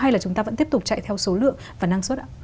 hay là chúng ta vẫn tiếp tục chạy theo số lượng và năng suất ạ